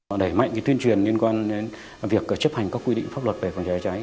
và đẩy mạnh tuyên truyền liên quan đến việc chấp hành các quy định pháp luật về phòng cháy cháy